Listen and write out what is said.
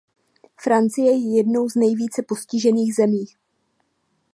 Francie je jednou z nejvíce postižených zemí.